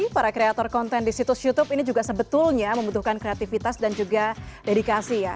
para kreator konten di situs youtube ini juga sebetulnya membutuhkan kreativitas dan juga dedikasi ya